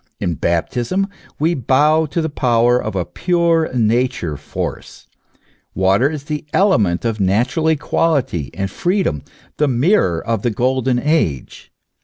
In Baptism we bow to the power of a pure Nature force ; water is the element of natural equality and freedom, the mirror of the golden age.